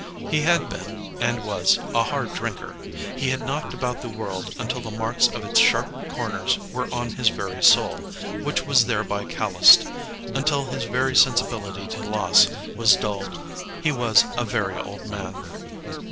He had been, and was, a hard drinker; he had knocked about the world until the marks of its sharp corners were on his very soul, which was thereby calloused, until his very sensibility to loss was dulled. He was a very old man.